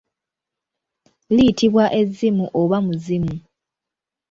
Liyitibwa ezzimu oba muzimu.